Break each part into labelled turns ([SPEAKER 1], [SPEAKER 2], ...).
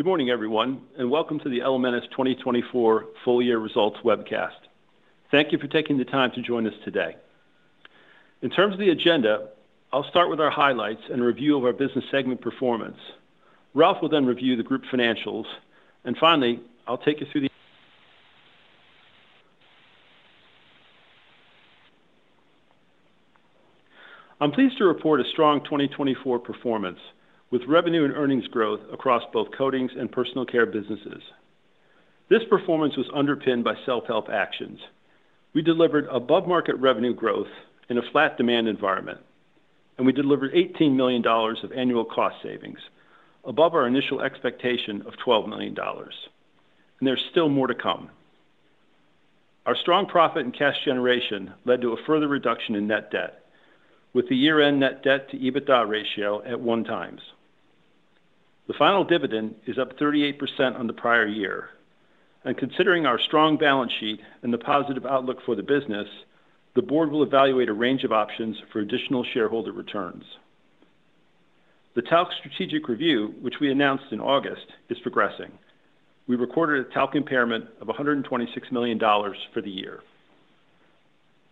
[SPEAKER 1] Good morning, everyone, and welcome to the Elementis 2024 full-year results webcast. Thank you for taking the time to join us today. In terms of the agenda, I'll start with our highlights and a review of our business segment performance. Ralph will then review the group financials. Finally, I'll take you through the. I'm pleased to report a strong 2024 performance, with revenue and earnings growth across both coatings and personal care businesses. This performance was underpinned by self-help actions. We delivered above-market revenue growth in a flat demand environment, and we delivered $18 million of annual cost savings, above our initial expectation of $12 million. There's still more to come. Our strong profit and cash generation led to a further reduction in net debt, with the year-end net debt-to-EBITDA ratio at one times. The final dividend is up 38% on the prior year. Considering our strong balance sheet and the positive outlook for the business, the board will evaluate a range of options for additional shareholder returns. The talc strategic review, which we announced in August, is progressing. We recorded a talc impairment of $126 million for the year.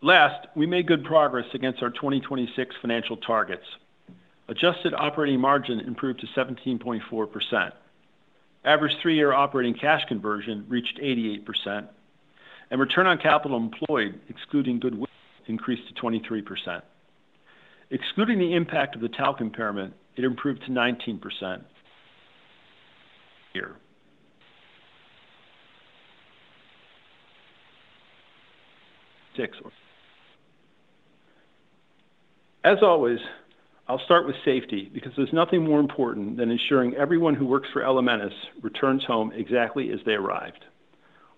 [SPEAKER 1] Last, we made good progress against our 2026 financial targets. Adjusted operating margin improved to 17.4%. Average three-year operating cash conversion reached 88%. Return on capital employed, excluding goodwill, increased to 23%. Excluding the impact of the talc impairment, it improved to 19%. As always, I'll start with safety, because there's nothing more important than ensuring everyone who works for Elementis returns home exactly as they arrived.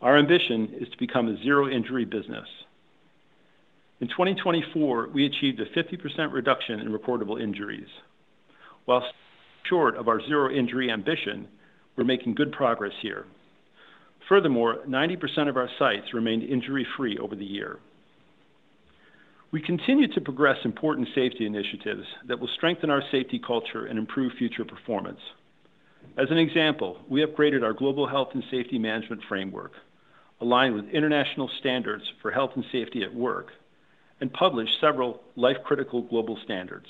[SPEAKER 1] Our ambition is to become a zero-injury business. In 2024, we achieved a 50% reduction in reportable injuries. While short of our zero-injury ambition, we're making good progress here. Furthermore, 90% of our sites remained injury-free over the year. We continue to progress important safety initiatives that will strengthen our safety culture and improve future performance. As an example, we upgraded our global health and safety management framework, aligned with international standards for health and safety at work, and published several life-critical global standards.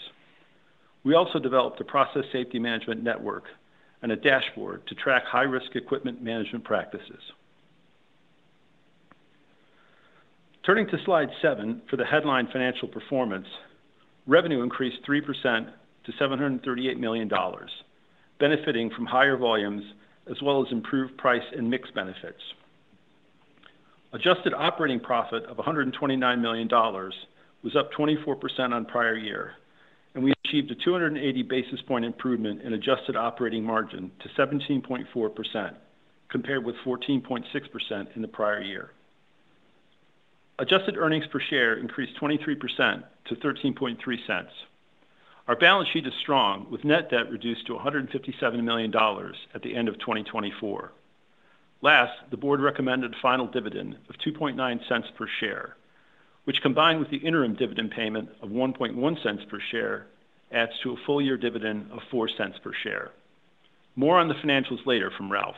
[SPEAKER 1] We also developed a process safety management network and a dashboard to track high-risk equipment management practices. Turning to slide seven for the headline financial performance, revenue increased 3% to $738 million, benefiting from higher volumes as well as improved price and mix benefits. Adjusted operating profit of $129 million was up 24% on prior year, and we achieved a 280 basis point improvement in adjusted operating margin to 17.4%, compared with 14.6% in the prior year. Adjusted earnings per share increased 23% to $0.133. Our balance sheet is strong, with net debt reduced to $157 million at the end of 2024. Last, the board recommended a final dividend of $0.029 per share, which, combined with the interim dividend payment of $0.011 per share, adds to a full-year dividend of $0.04 per share. More on the financials later from Ralph.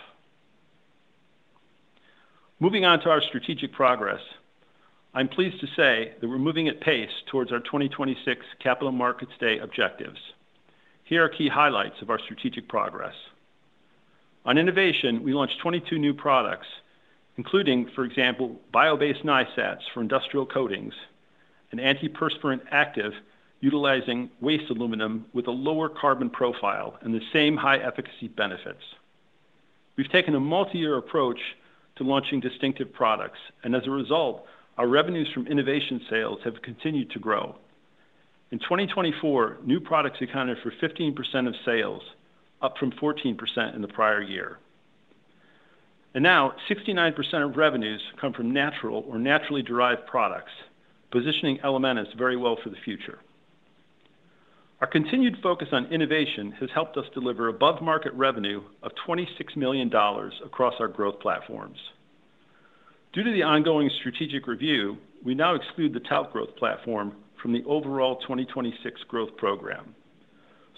[SPEAKER 1] Moving on to our strategic progress, I'm pleased to say that we're moving at pace towards our 2026 Capital Markets Day objectives. Here are key highlights of our strategic progress. On innovation, we launched 22 new products, including, for example, bio-based nysats for industrial coatings and antiperspirant active utilizing waste aluminum with a lower carbon profile and the same high-efficacy benefits. We've taken a multi-year approach to launching distinctive products, and as a result, our revenues from innovation sales have continued to grow. In 2024, new products accounted for 15% of sales, up from 14% in the prior year. Now, 69% of revenues come from natural or naturally derived products, positioning Elementis very well for the future. Our continued focus on innovation has helped us deliver above-market revenue of $26 million across our growth platforms. Due to the ongoing strategic review, we now exclude the talc growth platform from the overall 2026 growth program.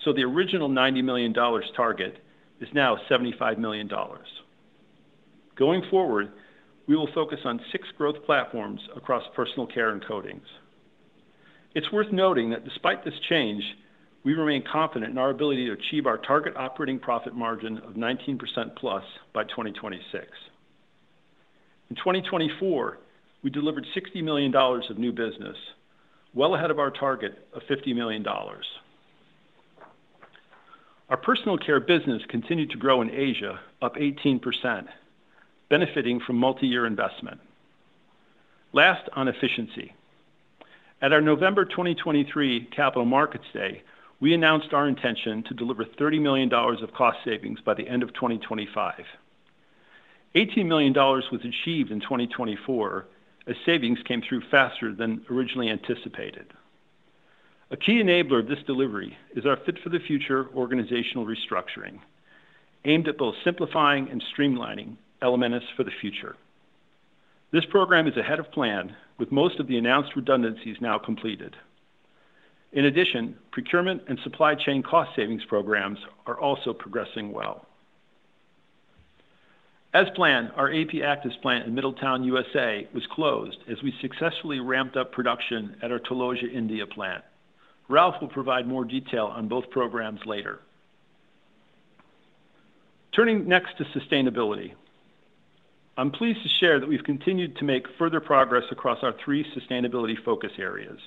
[SPEAKER 1] The original $90 million target is now $75 million. Going forward, we will focus on six growth platforms across personal care and coatings. It's worth noting that despite this change, we remain confident in our ability to achieve our target operating profit margin of 19%+ by 2026. In 2024, we delivered $60 million of new business, well ahead of our target of $50 million. Our personal care business continued to grow in Asia, up 18%, benefiting from multi-year investment. Last, on efficiency. At our November 2023 Capital Markets Day, we announced our intention to deliver $30 million of cost savings by the end of 2025. $18 million was achieved in 2024, as savings came through faster than originally anticipated. A key enabler of this delivery is our Fit for the Future organizational restructuring, aimed at both simplifying and streamlining Elementis for the future. This program is ahead of plan, with most of the announced redundancies now completed. In addition, procurement and supply chain cost savings programs are also progressing well. As planned, our AP Actives plant in Middletown, United States, was closed as we successfully ramped up production at our Taloja, India plant. Ralph will provide more detail on both programs later. Turning next to sustainability, I'm pleased to share that we've continued to make further progress across our three sustainability focus areas,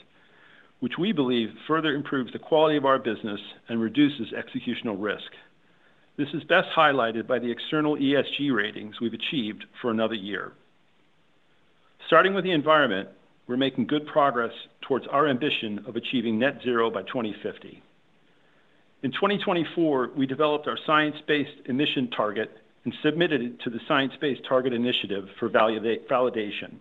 [SPEAKER 1] which we believe further improves the quality of our business and reduces executional risk. This is best highlighted by the external ESG ratings we've achieved for another year. Starting with the environment, we're making good progress towards our ambition of achieving net zero by 2050. In 2024, we developed our science-based emission target and submitted it to the Science Based Targets initiative for validation.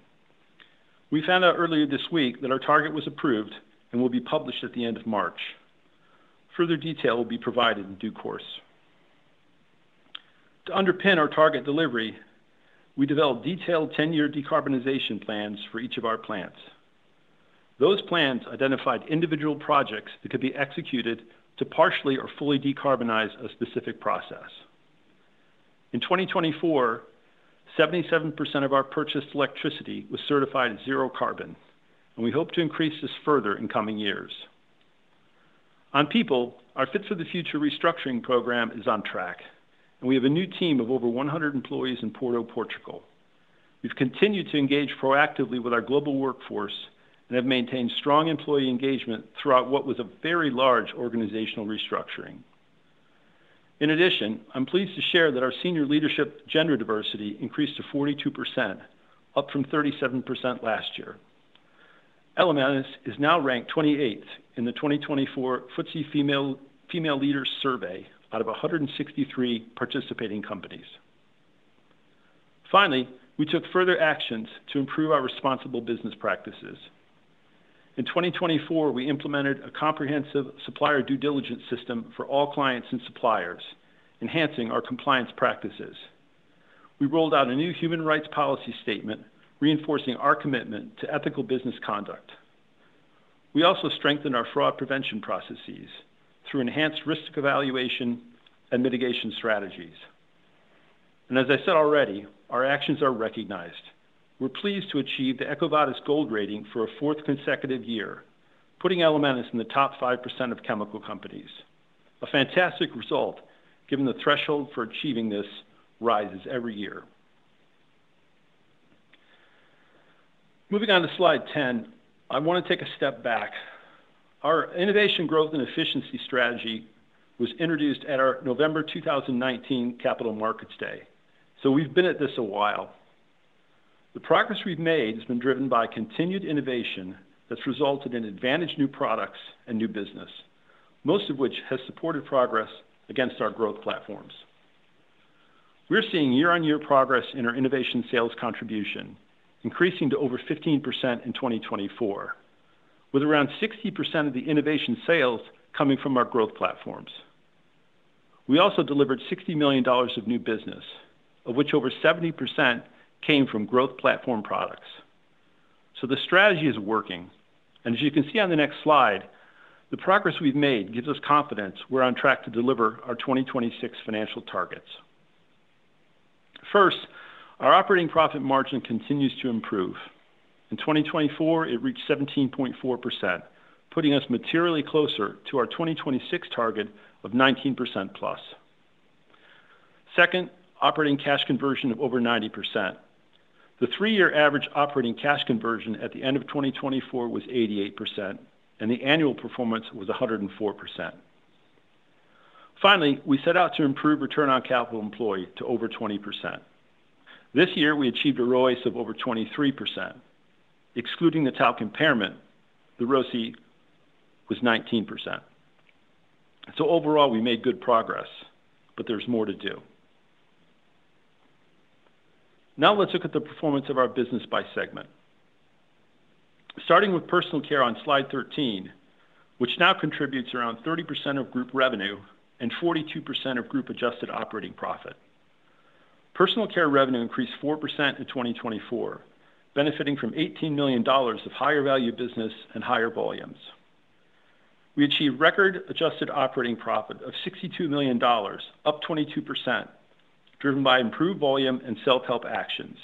[SPEAKER 1] We found out earlier this week that our target was approved and will be published at the end of March. Further detail will be provided in due course. To underpin our target delivery, we developed detailed 10-year decarbonization plans for each of our plants. Those plans identified individual projects that could be executed to partially or fully decarbonize a specific process. In 2024, 77% of our purchased electricity was certified zero carbon, and we hope to increase this further in coming years. On people, our Fit for the Future restructuring program is on track, and we have a new team of over 100 employees in Porto, Portugal. We've continued to engage proactively with our global workforce and have maintained strong employee engagement throughout what was a very large organizational restructuring. In addition, I'm pleased to share that our senior leadership gender diversity increased to 42%, up from 37% last year. Elementis is now ranked 28th in the 2024 Footsie Female Leaders Survey out of 163 participating companies. Finally, we took further actions to improve our responsible business practices. In 2024, we implemented a comprehensive supplier due diligence system for all clients and suppliers, enhancing our compliance practices. We rolled out a new human rights policy statement, reinforcing our commitment to ethical business conduct. We also strengthened our fraud prevention processes through enhanced risk evaluation and mitigation strategies. As I said already, our actions are recognized. We're pleased to achieve the EcoVadis Gold rating for a fourth consecutive year, putting Elementis in the top 5% of chemical companies. A fantastic result, given the threshold for achieving this rises every year. Moving on to slide 10, I want to take a step back. Our innovation, growth, and efficiency strategy was introduced at our November 2019 Capital Markets Day. We have been at this a while. The progress we've made has been driven by continued innovation that's resulted in advantaged new products and new business, most of which has supported progress against our growth platforms. We're seeing year-on-year progress in our innovation sales contribution, increasing to over 15% in 2024, with around 60% of the innovation sales coming from our growth platforms. We also delivered $60 million of new business, of which over 70% came from growth platform products. The strategy is working. As you can see on the next slide, the progress we've made gives us confidence we're on track to deliver our 2026 financial targets. First, our operating profit margin continues to improve. In 2024, it reached 17.4%, putting us materially closer to our 2026 target of 19%+. Second, operating cash conversion of over 90%. The three-year average operating cash conversion at the end of 2024 was 88%, and the annual performance was 104%. Finally, we set out to improve return on capital employed to over 20%. This year, we achieved a ROCE of over 23%. Excluding the talc impairment, the ROC was 19%. Overall, we made good progress, but there's more to do. Now let's look at the performance of our business by segment. Starting with personal care on slide 13, which now contributes around 30% of group revenue and 42% of group adjusted operating profit. Personal care revenue increased 4% in 2024, benefiting from $18 million of higher-value business and higher volumes. We achieved record adjusted operating profit of $62 million, up 22%, driven by improved volume and self-help actions.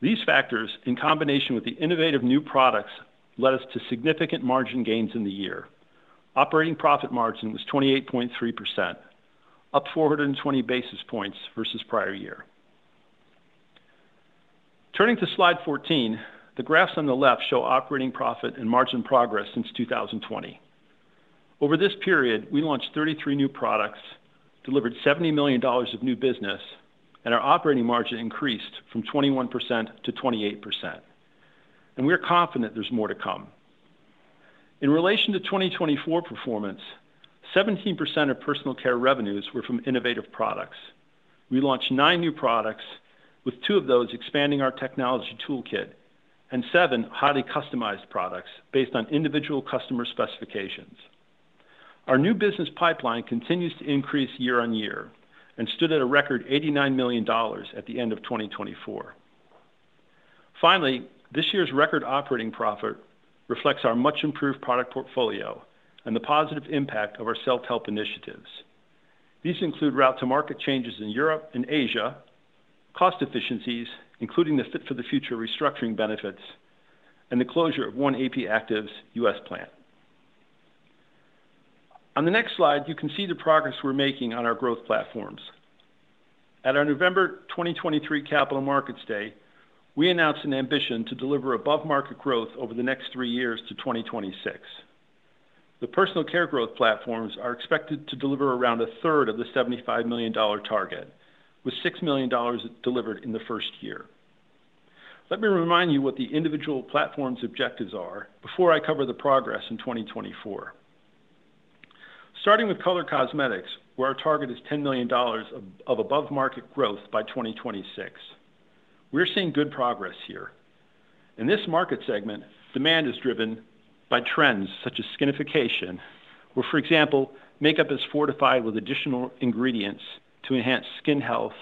[SPEAKER 1] These factors, in combination with the innovative new products, led us to significant margin gains in the year. Operating profit margin was 28.3%, up 420 basis points versus prior year. Turning to slide 14, the graphs on the left show operating profit and margin progress since 2020. Over this period, we launched 33 new products, delivered $70 million of new business, and our operating margin increased from 21%-28%. We are confident there is more to come. In relation to 2024 performance, 17% of personal care revenues were from innovative products. We launched nine new products, with two of those expanding our technology toolkit and seven highly customized products based on individual customer specifications. Our new business pipeline continues to increase year on year and stood at a record $89 million at the end of 2024. Finally, this year's record operating profit reflects our much-improved product portfolio and the positive impact of our self-help initiatives. These include route-to-market changes in Europe and Asia, cost efficiencies, including the Fit for the Future restructuring benefits, and the closure of one AP Actives U.S. plant. On the next slide, you can see the progress we are making on our growth platforms. At our November 2023 Capital Markets Day, we announced an ambition to deliver above-market growth over the next three years to 2026. The personal care growth platforms are expected to deliver around a third of the $75 million target, with $6 million delivered in the first year. Let me remind you what the individual platforms' objectives are before I cover the progress in 2024. Starting with Color Cosmetics, where our target is $10 million of above-market growth by 2026. We're seeing good progress here. In this market segment, demand is driven by trends such as skinification, where, for example, makeup is fortified with additional ingredients to enhance skin health,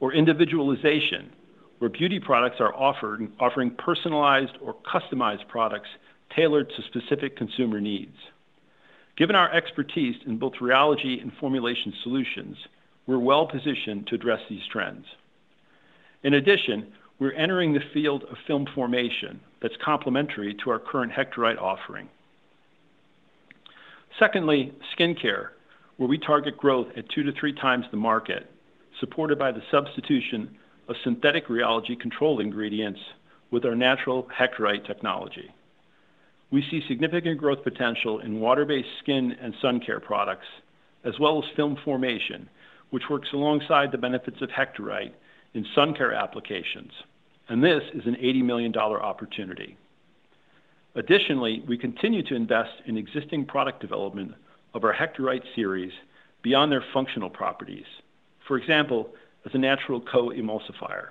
[SPEAKER 1] or individualization, where beauty products are offered and offering personalized or customized products tailored to specific consumer needs. Given our expertise in both rheology and formulation solutions, we're well-positioned to address these trends. In addition, we're entering the field of film formation that's complementary to our current Hectorite offering. Secondly, skincare, where we target growth at two to three times the market, supported by the substitution of synthetic rheology control ingredients with our natural Hectorite technology. We see significant growth potential in water-based skin and sun care products, as well as film formation, which works alongside the benefits of Hectorite in sun care applications. This is an $80 million opportunity. Additionally, we continue to invest in existing product development of our Hectorite series beyond their functional properties, for example, as a natural co-emulsifier.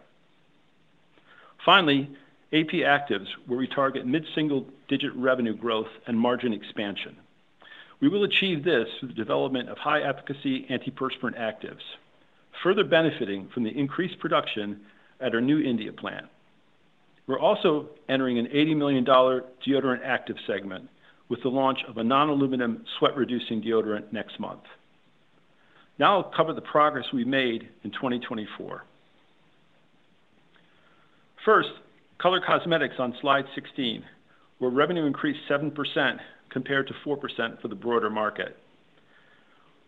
[SPEAKER 1] Finally, AP Actives, where we target mid-single-digit revenue growth and margin expansion. We will achieve this through the development of high-efficacy antiperspirant actives, further benefiting from the increased production at our new India plant. We're also entering an $80 million deodorant active segment with the launch of a non-aluminum sweat-reducing deodorant next month. Now I'll cover the progress we've made in 2024. First, Color Cosmetics on slide 16, where revenue increased 7% compared to 4% for the broader market.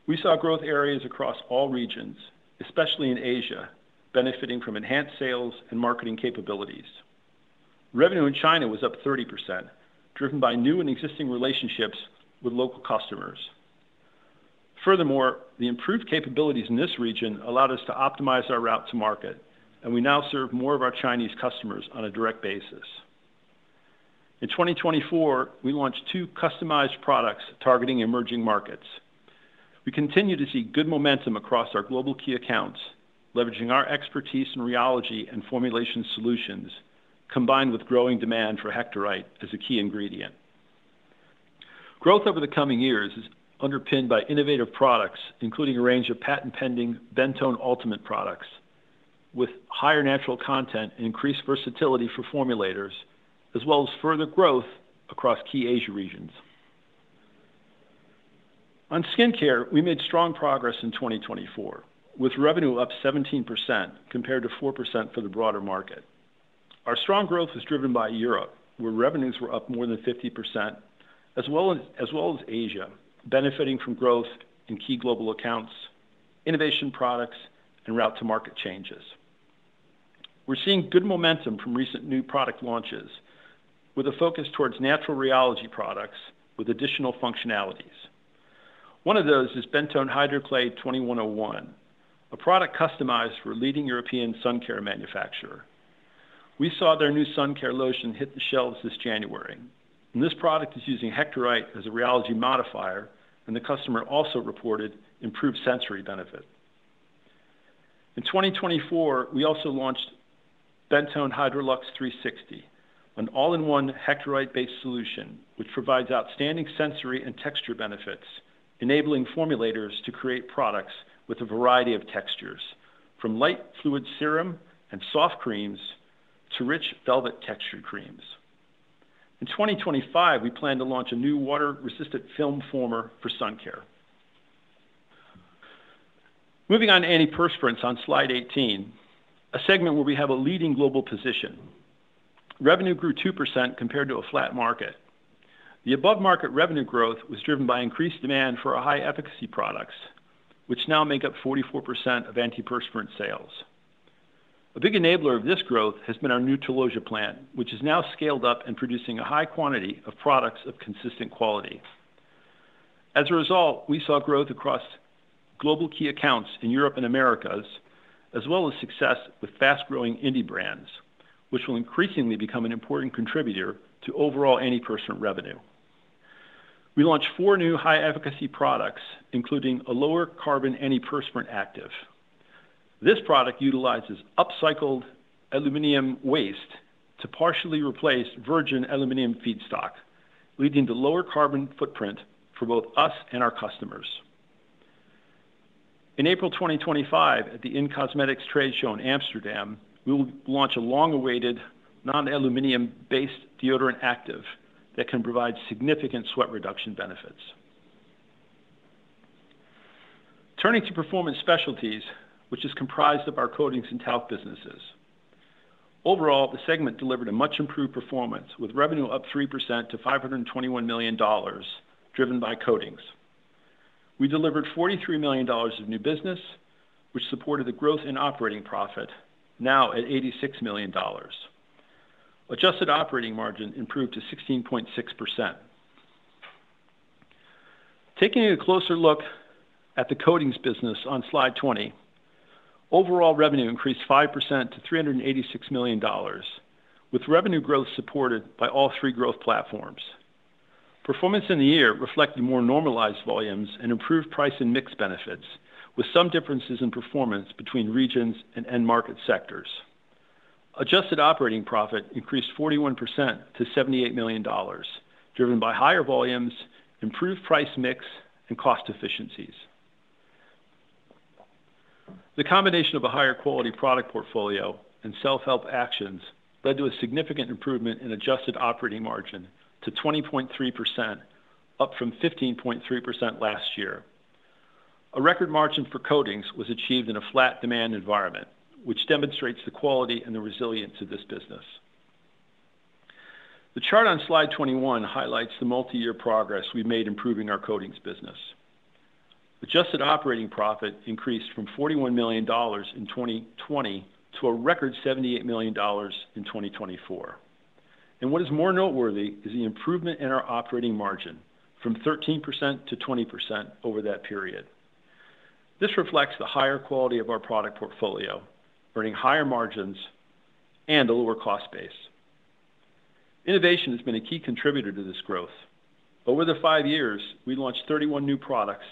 [SPEAKER 1] We saw growth areas across all regions, especially in Asia, benefiting from enhanced sales and marketing capabilities. Revenue in China was up 30%, driven by new and existing relationships with local customers. Furthermore, the improved capabilities in this region allowed us to optimize our route to market, and we now serve more of our Chinese customers on a direct basis. In 2024, we launched two customized products targeting emerging markets. We continue to see good momentum across our global key accounts, leveraging our expertise in rheology and formulation solutions, combined with growing demand for Hectorite as a key ingredient. Growth over the coming years is underpinned by innovative products, including a range of patent-pending Bentone Ultimate products with higher natural content and increased versatility for formulators, as well as further growth across key Asia regions. On skincare, we made strong progress in 2024, with revenue up 17% compared to 4% for the broader market. Our strong growth was driven by Europe, where revenues were up more than 50%, as well as Asia, benefiting from growth in key global accounts, innovation products, and route-to-market changes. We're seeing good momentum from recent new product launches, with a focus towards natural rheology products with additional functionalities. One of those is Bentone Hydroclay 2101, a product customized for a leading European sun care manufacturer. We saw their new sun care lotion hit the shelves this January. This product is using Hectorite as a rheology modifier, and the customer also reported improved sensory benefit. In 2024, we also launched Bentone HydroLuxe 360, an all-in-one Hectorite-based solution, which provides outstanding sensory and texture benefits, enabling formulators to create products with a variety of textures, from light fluid serum and soft creams to rich velvet textured creams. In 2025, we plan to launch a new water-resistant film former for sun care. Moving on to antiperspirants on slide 18, a segment where we have a leading global position. Revenue grew 2% compared to a flat market. The above-market revenue growth was driven by increased demand for our high-efficacy products, which now make up 44% of antiperspirant sales. A big enabler of this growth has been our new Taloja plant, which is now scaled up and producing a high quantity of products of consistent quality. As a result, we saw growth across global key accounts in Europe and Americas, as well as success with fast-growing indie brands, which will increasingly become an important contributor to overall antiperspirant revenue. We launched four new high-efficacy products, including a lower-carbon antiperspirant active. This product utilizes upcycled aluminum waste to partially replace virgin aluminum feedstock, leading to lower carbon footprint for both us and our customers. In April 2025, at the In-Cosmetics Trade Show in Amsterdam, we will launch a long-awaited non-aluminum-based deodorant active that can provide significant sweat reduction benefits. Turning to performance specialties, which is comprised of our coatings and talc businesses. Overall, the segment delivered a much-improved performance with revenue up 3% to $521 million, driven by coatings. We delivered $43 million of new business, which supported the growth in operating profit, now at $86 million. Adjusted operating margin improved to 16.6%. Taking a closer look at the coatings business on slide 20, overall revenue increased 5% to $386 million, with revenue growth supported by all three growth platforms. Performance in the year reflected more normalized volumes and improved price and mix benefits, with some differences in performance between regions and end market sectors. Adjusted operating profit increased 41% to $78 million, driven by higher volumes, improved price mix, and cost efficiencies. The combination of a higher quality product portfolio and self-help actions led to a significant improvement in adjusted operating margin to 20.3%, up from 15.3% last year. A record margin for coatings was achieved in a flat demand environment, which demonstrates the quality and the resilience of this business. The chart on slide 21 highlights the multi-year progress we've made improving our coatings business. Adjusted operating profit increased from $41 million in 2020 to a record $78 million in 2024. What is more noteworthy is the improvement in our operating margin from 13%-20% over that period. This reflects the higher quality of our product portfolio, earning higher margins and a lower cost base. Innovation has been a key contributor to this growth. Over the five years, we launched 31 new products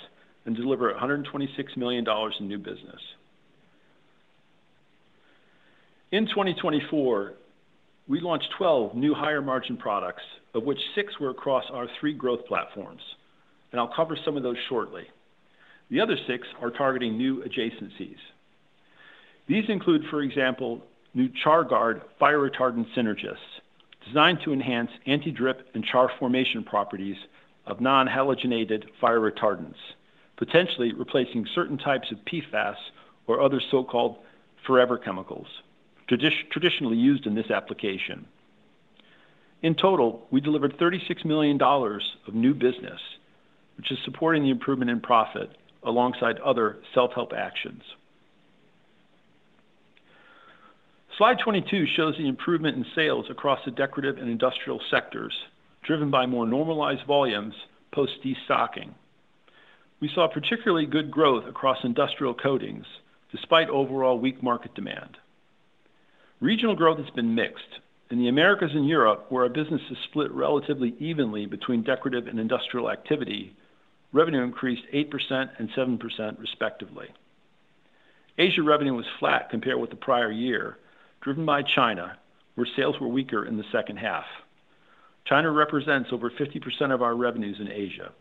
[SPEAKER 1] and delivered $126 million in new business. In 2024, we launched 12 new higher-margin products, of which six were across our three growth platforms. I will cover some of those shortly. The other six are targeting new adjacencies. These include, for example, new char guard fire retardant synergists, designed to enhance anti-drip and char formation properties of non-halogenated fire retardants, potentially replacing certain types of PFAS or other so-called forever chemicals traditionally used in this application. In total, we delivered $36 million of new business, which is supporting the improvement in profit alongside other self-help actions. Slide 22 shows the improvement in sales across the decorative and industrial sectors, driven by more normalized volumes post-de-stocking. We saw particularly good growth across industrial coatings despite overall weak market demand. Regional growth has been mixed. In the Americas and Europe, where our business is split relatively evenly between decorative and industrial activity, revenue increased 8%-7%, respectively. Asia revenue was flat compared with the prior year, driven by China, where sales were weaker in the second half. China represents over 50% of our revenues in Asia.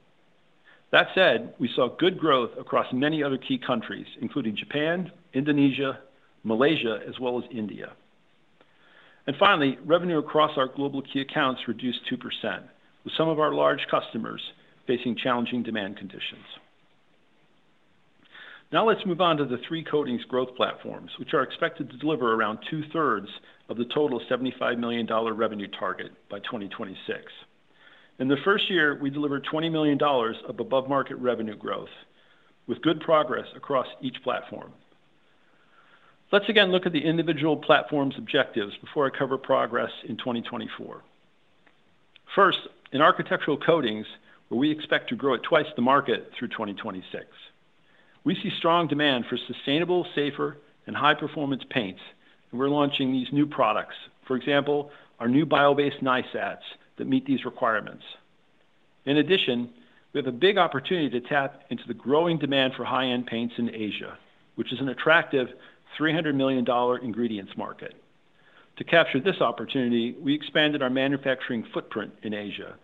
[SPEAKER 1] That said, we saw good growth across many other key countries, including Japan, Indonesia, Malaysia, as well as India. Finally, revenue across our global key accounts reduced 2%, with some of our large customers facing challenging demand conditions. Now let's move on to the three coatings growth platforms, which are expected to deliver around two-thirds of the total $75 million revenue target by 2026. In the first year, we delivered $20 million of above-market revenue growth, with good progress across each platform. Let's again look at the individual platforms' objectives before I cover progress in 2024. First, in architectural coatings, where we expect to grow at twice the market through 2026. We see strong demand for sustainable, safer, and high-performance paints, and we're launching these new products, for example, our new bio-based nysats that meet these requirements. In addition, we have a big opportunity to tap into the growing demand for high-end paints in Asia, which is an attractive $300 million ingredients market. To capture this opportunity, we expanded our manufacturing footprint in Asia,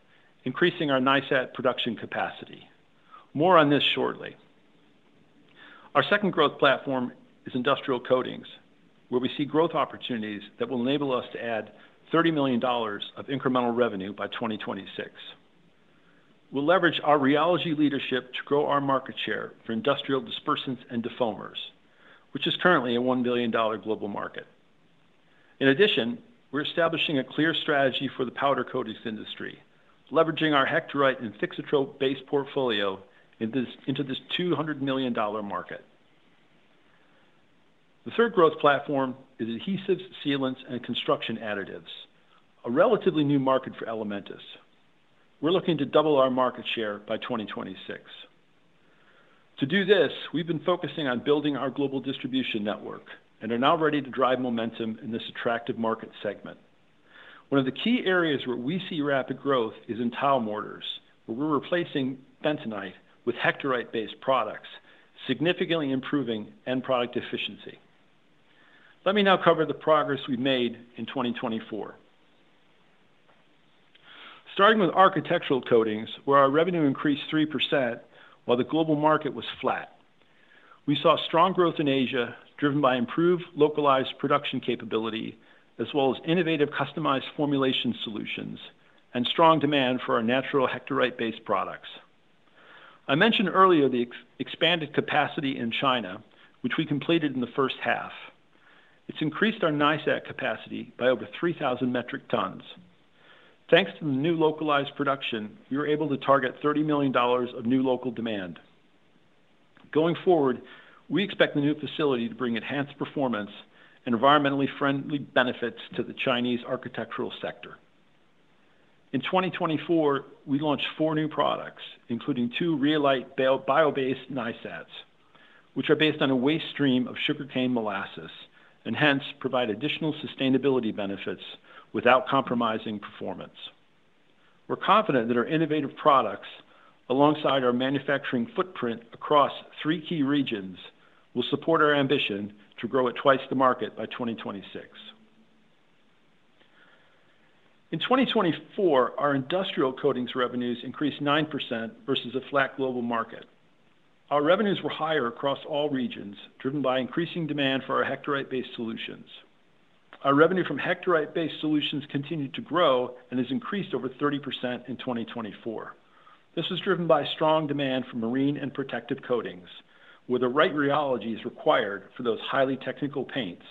[SPEAKER 1] increasing our nysat production capacity. More on this shortly. Our second growth platform is industrial coatings, where we see growth opportunities that will enable us to add $30 million of incremental revenue by 2026. We'll leverage our rheology leadership to grow our market share for industrial dispersants and deformers, which is currently a $1 billion global market. In addition, we're establishing a clear strategy for the powder coatings industry, leveraging our Hectorite and Fixitrol-based portfolio into this $200 million market. The third growth platform is adhesives, sealants, and construction additives, a relatively new market for Elementis. We're looking to double our market share by 2026. To do this, we've been focusing on building our global distribution network and are now ready to drive momentum in this attractive market segment. One of the key areas where we see rapid growth is in tile mortars, where we're replacing bentonite with Hectorite-based products, significantly improving end product efficiency. Let me now cover the progress we've made in 2024. Starting with architectural coatings, where our revenue increased 3% while the global market was flat. We saw strong growth in Asia, driven by improved localized production capability, as well as innovative customized formulation solutions and strong demand for our natural Hectorite-based products. I mentioned earlier the expanded capacity in China, which we completed in the first half. It has increased our nice ad capacity by over 3,000 metric tons. Thanks to the new localized production, we were able to target $30 million of new local demand. Going forward, we expect the new facility to bring enhanced performance and environmentally friendly benefits to the Chinese architectural sector. In 2024, we launched four new products, including two rheolite bio-based nice ads, which are based on a waste stream of sugarcane molasses and hence provide additional sustainability benefits without compromising performance. We're confident that our innovative products, alongside our manufacturing footprint across three key regions, will support our ambition to grow at twice the market by 2026. In 2024, our industrial coatings revenues increased 9% versus a flat global market. Our revenues were higher across all regions, driven by increasing demand for our Hectorite-based solutions. Our revenue from Hectorite-based solutions continued to grow and has increased over 30% in 2024. This was driven by strong demand for marine and protective coatings, where the right rheology is required for those highly technical paints,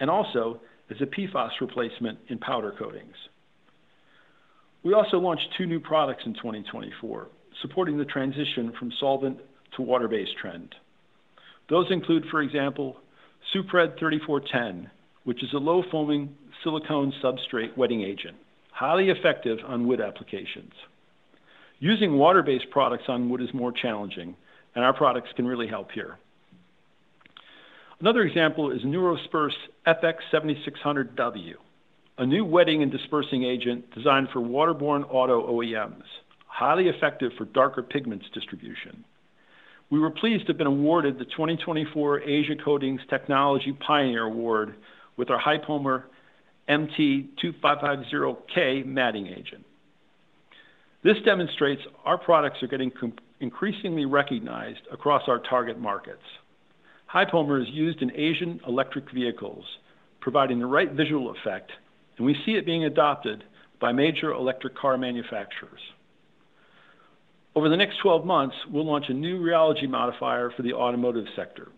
[SPEAKER 1] and also as a PFAS replacement in powder coatings. We also launched two new products in 2024, supporting the transition from solvent to water-based trend. Those include, for example, SUPREAD 3410, which is a low-foaming silicone substrate wetting agent, highly effective on wood applications. Using water-based products on wood is more challenging, and our products can really help here. Another example is NUOSPERSE FX 7600W, a new wetting and dispersing agent designed for waterborne auto OEMs, highly effective for darker pigments distribution. We were pleased to have been awarded the 2024 Asia Coatings Technology Pioneer Award with our High-pomer MT2550K matting agent. This demonstrates our products are getting increasingly recognized across our target markets. High-pomer is used in Asian electric vehicles, providing the right visual effect, and we see it being adopted by major electric car manufacturers. Over the next 12 months, we'll launch a new rheology modifier for the automotive sector,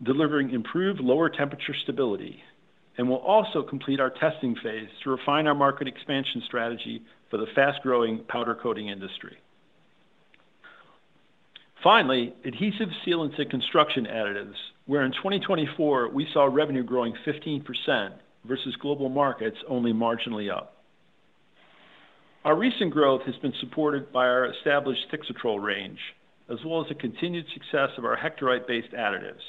[SPEAKER 1] delivering improved lower temperature stability, and we'll also complete our testing phase to refine our market expansion strategy for the fast-growing powder coating industry. Finally, adhesive sealants and construction additives, where in 2024 we saw revenue growing 15% versus global markets only marginally up. Our recent growth has been supported by our established THIXATROL range, as well as the continued success of our Hectorite-based additives.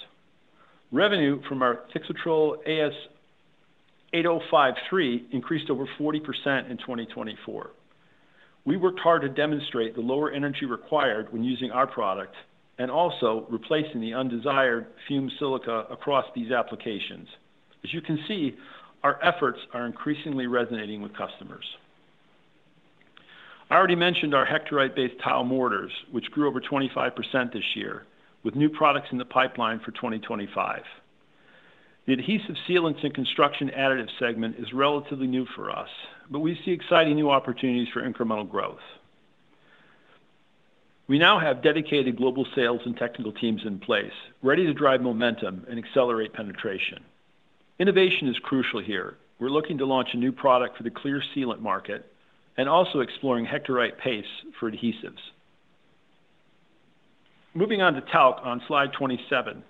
[SPEAKER 1] Revenue from our THIXATROL AS 8053 increased over 40% in 2024. We worked hard to demonstrate the lower energy required when using our product and also replacing the undesired fume silica across these applications. As you can see, our efforts are increasingly resonating with customers. I already mentioned our Hectorite-based tile mortars, which grew over 25% this year, with new products in the pipeline for 2025. The adhesive sealants and construction additive segment is relatively new for us, but we see exciting new opportunities for incremental growth. We now have dedicated global sales and technical teams in place, ready to drive momentum and accelerate penetration. Innovation is crucial here. We're looking to launch a new product for the clear sealant market and also exploring Hectorite paste for adhesives. Moving on to talc on slide 27,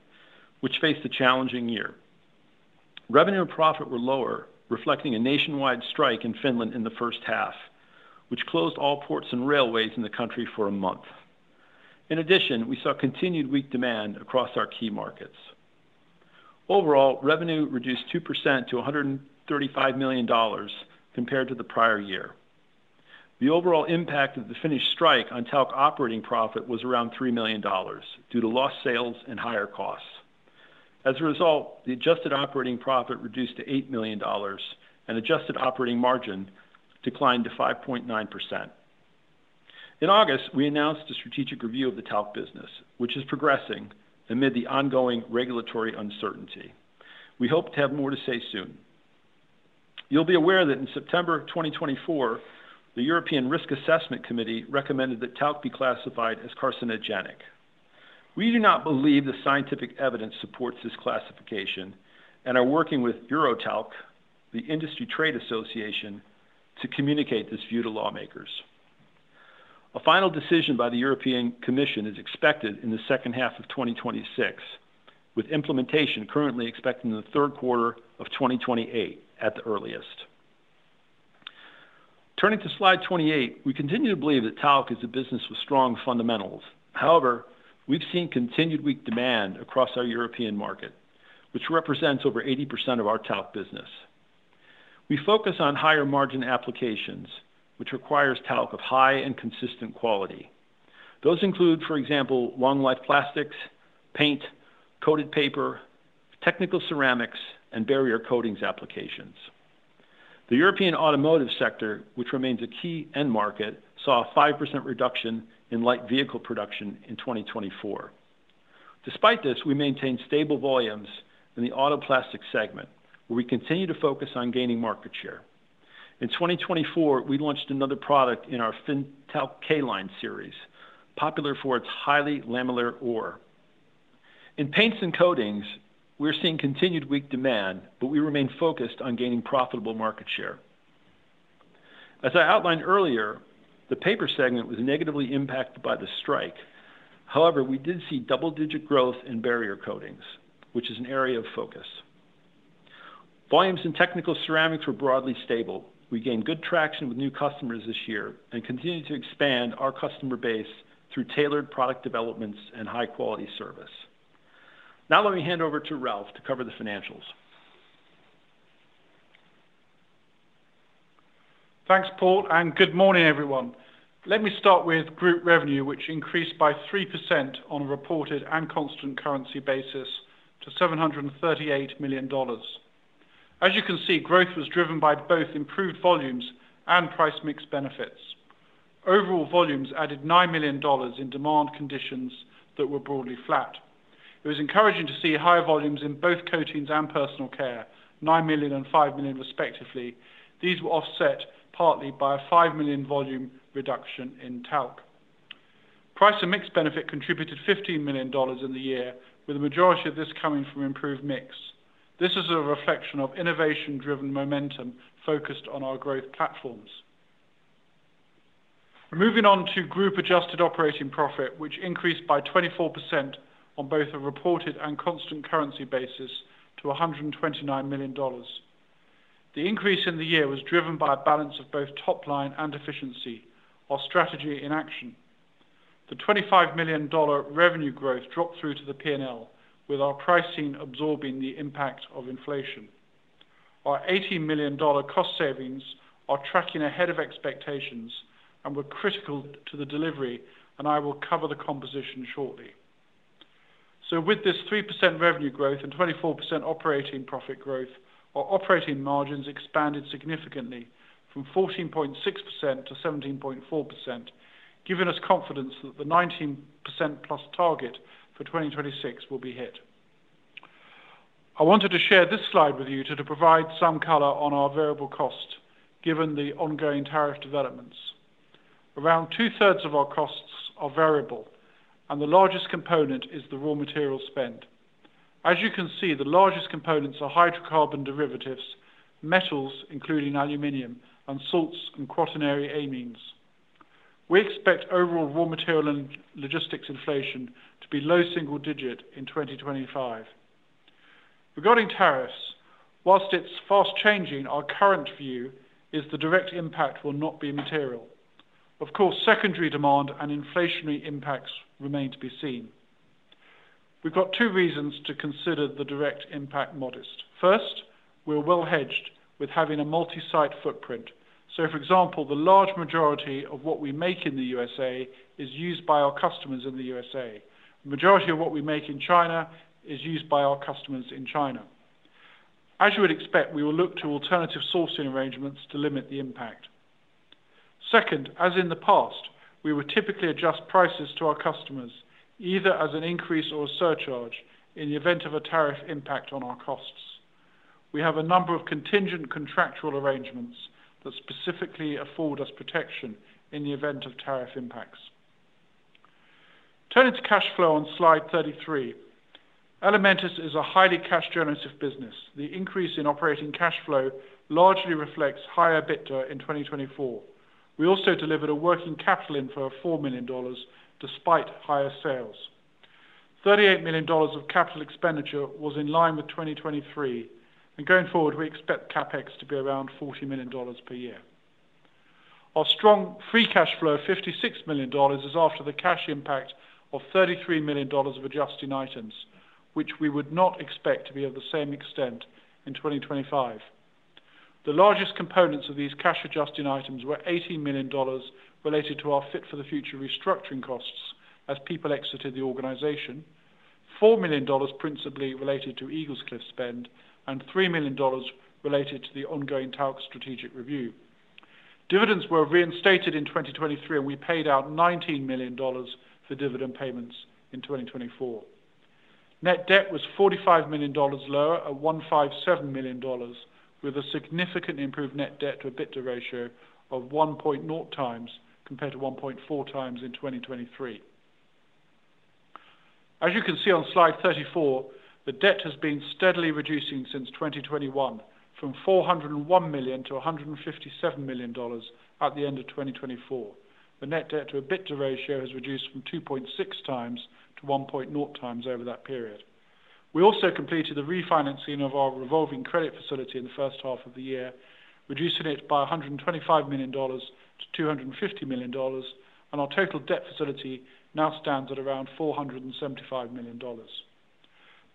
[SPEAKER 1] which faced a challenging year. Revenue and profit were lower, reflecting a nationwide strike in Finland in the first half, which closed all ports and railways in the country for a month. In addition, we saw continued weak demand across our key markets. Overall, revenue reduced 2% to $135 million compared to the prior year. The overall impact of the Finnish strike on talc operating profit was around $3 million due to lost sales and higher costs. As a result, the adjusted operating profit reduced to $8 million and adjusted operating margin declined to 5.9%. In August, we announced a strategic review of the talc business, which is progressing amid the ongoing regulatory uncertainty. We hope to have more to say soon. You'll be aware that in September 2024, the European Risk Assessment Committee recommended that talc be classified as carcinogenic. We do not believe the scientific evidence supports this classification and are working with Eurotalc, the Industry Trade Association, to communicate this view to lawmakers. A final decision by the European Commission is expected in the second half of 2026, with implementation currently expected in the third quarter of 2028 at the earliest. Turning to slide 28, we continue to believe that talc is a business with strong fundamentals. However, we've seen continued weak demand across our European market, which represents over 80% of our talc business. We focus on higher margin applications, which requires talc of high and consistent quality. Those include, for example, long-life plastics, paint, coated paper, technical ceramics, and barrier coatings applications. The European automotive sector, which remains a key end market, saw a 5% reduction in light vehicle production in 2024. Despite this, we maintain stable volumes in the auto plastic segment, where we continue to focus on gaining market share. In 2024, we launched another product in our FinTalk K-Line series, popular for its highly lamellar ore. In paints and coatings, we're seeing continued weak demand, but we remain focused on gaining profitable market share. As I outlined earlier, the paper segment was negatively impacted by the strike. However, we did see double-digit growth in barrier coatings, which is an area of focus. Volumes in technical ceramics were broadly stable. We gained good traction with new customers this year and continue to expand our customer base through tailored product developments and high-quality service. Now let me hand over to Ralph to cover the financials.
[SPEAKER 2] Thanks, Paul, and good morning, everyone. Let me start with group revenue, which increased by 3% on a reported and constant currency basis to $738 million. As you can see, growth was driven by both improved volumes and price mix benefits. Overall volumes added $9 million in demand conditions that were broadly flat. It was encouraging to see high volumes in both coatings and personal care, $9 million and $5 million, respectively. These were offset partly by a $5 million volume reduction in talc. Price and mix benefit contributed $15 million in the year, with the majority of this coming from improved mix. This is a reflection of innovation-driven momentum focused on our growth platforms. Moving on to group adjusted operating profit, which increased by 24% on both a reported and constant currency basis to $129 million. The increase in the year was driven by a balance of both top line and efficiency or strategy in action. The $25 million revenue growth dropped through to the P&L, with our pricing absorbing the impact of inflation. Our $18 million cost savings are tracking ahead of expectations and were critical to the delivery, and I will cover the composition shortly. With this 3% revenue growth and 24% operating profit growth, our operating margins expanded significantly from 14.6%-17.4%, giving us confidence that the 19%+ target for 2026 will be hit. I wanted to share this slide with you to provide some color on our variable cost, given the ongoing tariff developments. Around two-thirds of our costs are variable, and the largest component is the raw material spend. As you can see, the largest components are hydrocarbon derivatives, metals, including aluminum, and salts and quaternary amines. We expect overall raw material and logistics inflation to be low single digit in 2025. Regarding tariffs, whilst it's fast changing, our current view is the direct impact will not be material. Of course, secondary demand and inflationary impacts remain to be seen. We've got two reasons to consider the direct impact modest. First, we're well hedged with having a multi-site footprint. For example, the large majority of what we make in the USA is used by our customers in the USA. The majority of what we make in China is used by our customers in China. As you would expect, we will look to alternative sourcing arrangements to limit the impact. Second, as in the past, we would typically adjust prices to our customers, either as an increase or a surcharge in the event of a tariff impact on our costs. We have a number of contingent contractual arrangements that specifically afford us protection in the event of tariff impacts. Turning to cash flow on slide 33, Elementis is a highly cash-generative business. The increase in operating cash flow largely reflects higher BITRA in 2024. We also delivered a working capital inflow of $4 million despite higher sales. $38 million of capital expenditure was in line with 2023, and going forward, we expect CapEx to be around $40 million per year. Our strong free cash flow of $56 million is after the cash impact of $33 million of adjusting items, which we would not expect to be of the same extent in 2025. The largest components of these cash adjusting items were $18 million related to our Fit for the Future restructuring costs as people exited the organization, $4 million principally related to Eaglescliff spend, and $3 million related to the ongoing talc strategic review. Dividends were reinstated in 2023, and we paid out $19 million for dividend payments in 2024. Net debt was $45 million lower at $157 million, with a significantly improved net debt to EBITDA ratio of 1.0 times compared to 1.4 times in 2023. As you can see on slide 34, the debt has been steadily reducing since 2021, from $401-$157 million at the end of 2024. The net debt to EBITDA ratio has reduced from 2.6 times to 1.0 times over that period. We also completed the refinancing of our revolving credit facility in the first half of the year, reducing it by $125-$250 million, and our total debt facility now stands at around $475 million.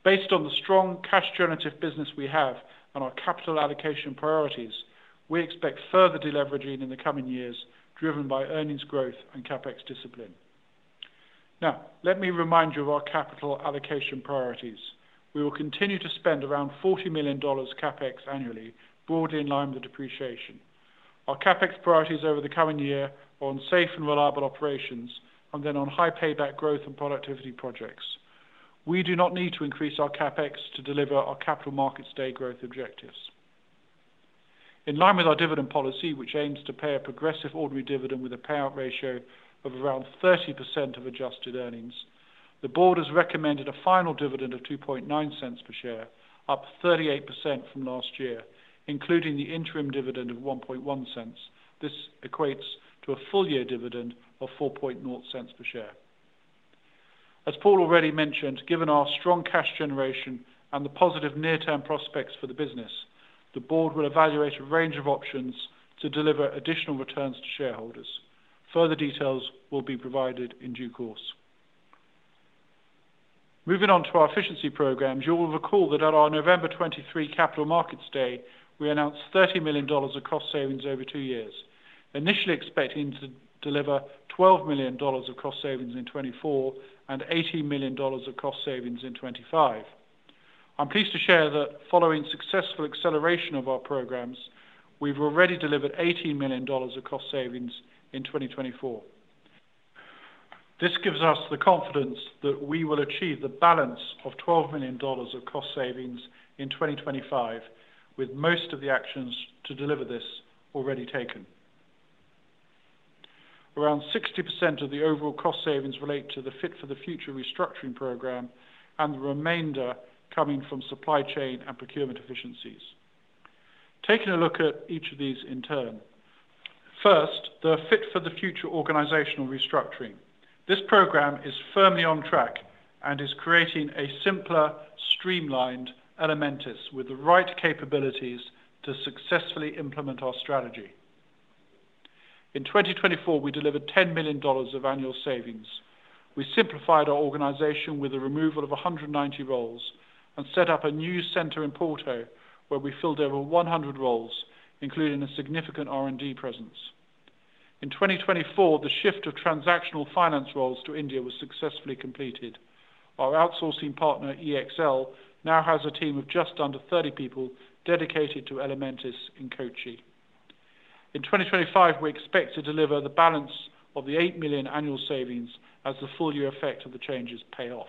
[SPEAKER 2] Based on the strong cash-generative business we have and our capital allocation priorities, we expect further deleveraging in the coming years, driven by earnings growth and CapEx discipline. Now, let me remind you of our capital allocation priorities. We will continue to spend around $40 million CapEx annually, broadly in line with depreciation. Our CapEx priorities over the coming year are on safe and reliable operations and then on high payback growth and productivity projects. We do not need to increase our CapEx to deliver our capital markets day growth objectives. In line with our dividend policy, which aims to pay a progressive ordinary dividend with a payout ratio of around 30% of adjusted earnings, the board has recommended a final dividend of $0.029 per share, up 38% from last year, including the interim dividend of $0.011. This equates to a full year dividend of $0.04 per share. As Paul already mentioned, given our strong cash generation and the positive near-term prospects for the business, the board will evaluate a range of options to deliver additional returns to shareholders. Further details will be provided in due course. Moving on to our efficiency programs, you'll recall that at our November 2023 capital markets day, we announced $30 million of cost savings over two years, initially expecting to deliver $12 million of cost savings in 2024 and $18 million of cost savings in 2025. I'm pleased to share that following successful acceleration of our programs, we've already delivered $18 million of cost savings in 2024. This gives us the confidence that we will achieve the balance of $12 million of cost savings in 2025, with most of the actions to deliver this already taken. Around 60% of the overall cost savings relate to the Fit for the Future restructuring program and the remainder coming from supply chain and procurement efficiencies. Taking a look at each of these in turn. First, the Fit for the Future organizational restructuring. This program is firmly on track and is creating a simpler, streamlined Elementis with the right capabilities to successfully implement our strategy. In 2024, we delivered $10 million of annual savings. We simplified our organization with the removal of 190 roles and set up a new center in Porto, where we filled over 100 roles, including a significant R&D presence. In 2024, the shift of transactional finance roles to India was successfully completed. Our outsourcing partner, EXL, now has a team of just under 30 people dedicated to Elementis in Kochi. In 2025, we expect to deliver the balance of the $8 million annual savings as the full year effect of the changes pay off.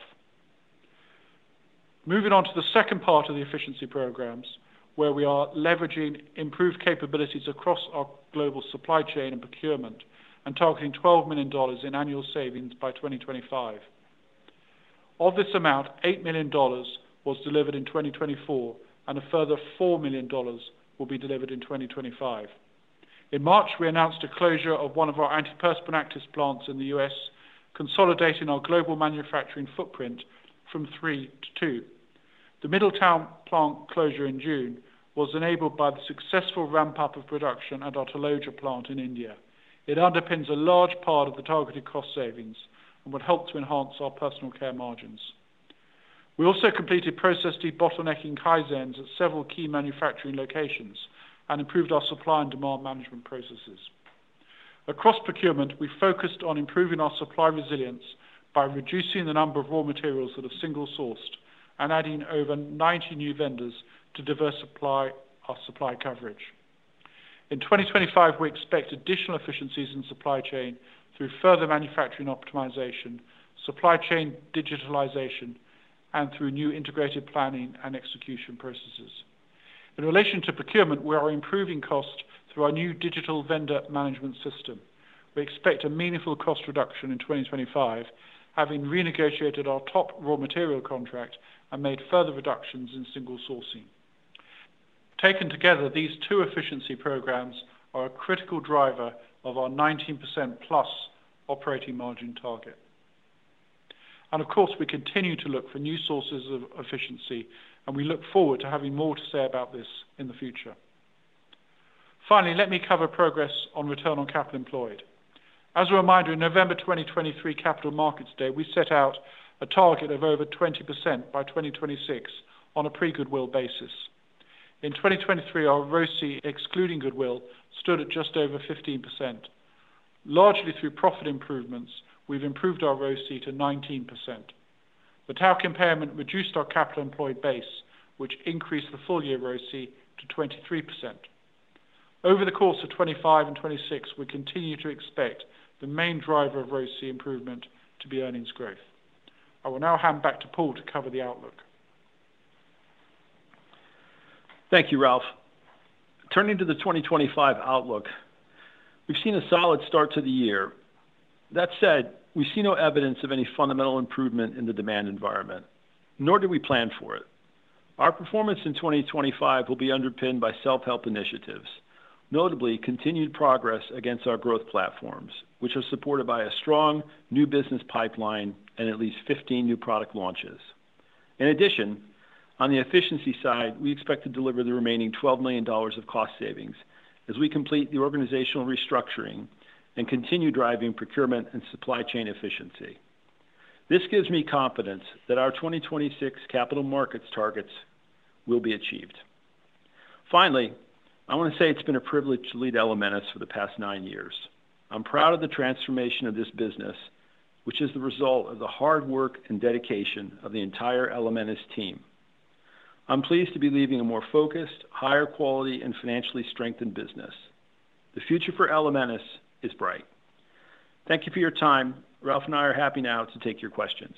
[SPEAKER 2] Moving on to the second part of the efficiency programs, where we are leveraging improved capabilities across our global supply chain and procurement and targeting $12 million in annual savings by 2025. Of this amount, $8 million was delivered in 2024, and a further $4 million will be delivered in 2025. In March, we announced the closure of one of our antiperspirant actives plants in the U.S., consolidating our global manufacturing footprint from three to two. The Middletown plant closure in June was enabled by the successful ramp-up of production at our Taloja plant in India. It underpins a large part of the targeted cost savings and would help to enhance our personal care margins. We also completed process debottlenecking Kaizens at several key manufacturing locations and improved our supply and demand management processes. Across procurement, we focused on improving our supply resilience by reducing the number of raw materials that are single-sourced and adding over 90 new vendors to diversify our supply coverage. In 2025, we expect additional efficiencies in supply chain through further manufacturing optimization, supply chain digitalization, and through new integrated planning and execution processes. In relation to procurement, we are improving costs through our new digital vendor management system. We expect a meaningful cost reduction in 2025, having renegotiated our top raw material contract and made further reductions in single sourcing. Taken together, these two efficiency programs are a critical driver of our 19% plus operating margin target. Of course, we continue to look for new sources of efficiency, and we look forward to having more to say about this in the future. Finally, let me cover progress on return on capital employed. As a reminder, in November 2023, capital markets day, we set out a target of over 20% by 2026 on a pre-goodwill basis. In 2023, our ROSI, excluding goodwill, stood at just over 15%. Largely through profit improvements, we've improved our ROSI to 19%. The talc impairment reduced our capital employed base, which increased the full year ROSI to 23%. Over the course of 2025 and 2026, we continue to expect the main driver of ROSI improvement to be earnings growth. I will now hand back to Paul to cover the outlook.
[SPEAKER 1] Thank you, Ralph. Turning to the 2025 outlook, we've seen a solid start to the year. That said, we see no evidence of any fundamental improvement in the demand environment, nor do we plan for it. Our performance in 2025 will be underpinned by self-help initiatives, notably continued progress against our growth platforms, which are supported by a strong new business pipeline and at least 15 new product launches. In addition, on the efficiency side, we expect to deliver the remaining $12 million of cost savings as we complete the organizational restructuring and continue driving procurement and supply chain efficiency. This gives me confidence that our 2026 capital markets targets will be achieved. Finally, I want to say it's been a privilege to lead Elementis for the past nine years. I'm proud of the transformation of this business, which is the result of the hard work and dedication of the entire Elementis team. I'm pleased to be leaving a more focused, higher quality, and financially strengthened business. The future for Elementis is bright. Thank you for your time. Ralph and I are happy now to take your questions.